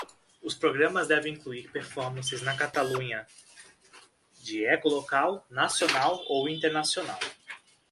Os programas devem incluir performances na Catalunha de eco local, nacional ou internacional.